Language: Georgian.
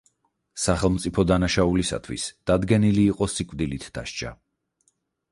სახელმწიფო დანაშაულისათვის დადგენილი იყო სიკვდილით დასჯა.